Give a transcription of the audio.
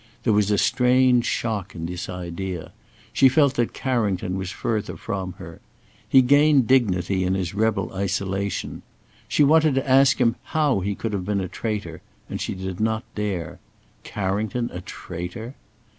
There was a strange shock in this idea. She felt that Carrington was further from her. He gained dignity in his rebel isolation. She wanted to ask him how he could have been a traitor, and she did not dare. Carrington a traitor!